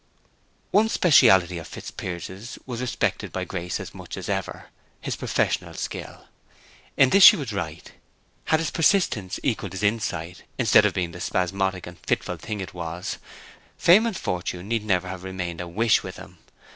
One speciality of Fitzpiers's was respected by Grace as much as ever—his professional skill. In this she was right. Had his persistence equalled his insight, instead of being the spasmodic and fitful thing it was, fame and fortune need never have remained a wish with him.